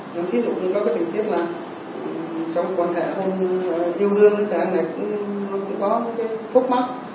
nhưng ví dụ như có cái tình tiết là trong quan hệ hôn yêu đương thì anh này cũng có một cái khúc mắt